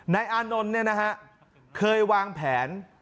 อานนท์เนี่ยนะฮะเคยวางแผน